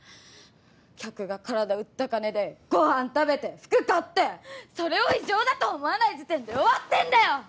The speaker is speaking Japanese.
客が体売った金でご飯食べて服買ってそれを異常だと思わない時点で終わってんだよ！